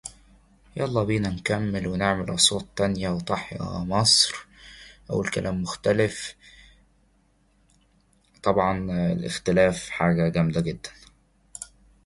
However, her father refused, so the young couple decided to elope.